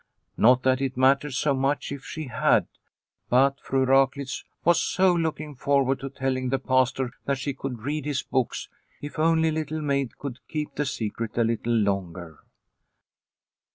Not that it mattered so much if she had. But Fru Raklitz was so looking forward to telling the Pastor that she could read his books, if only Little Maid could keep the secret a little longer.